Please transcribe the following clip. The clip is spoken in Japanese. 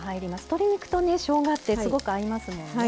鶏肉とねしょうがってすごく合いますもんね。